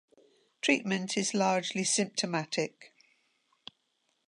Treatment is largely symptomatic.